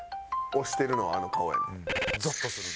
推してるのはあの顔やねん。